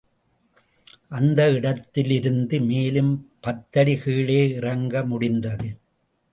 அந்த இடத்திலிருந்து மேலும் பத்தடி கீழே இறங்க முடிந்தது.